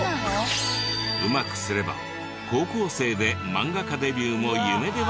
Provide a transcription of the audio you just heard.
うまくすれば高校生で漫画家デビューも夢ではない。